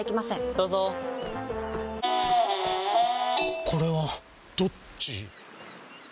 どうぞこれはどっち？